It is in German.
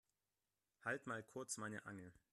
Halt mal kurz meine Angel.